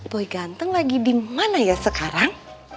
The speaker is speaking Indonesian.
boy ganteng lagi di mana ya sekarang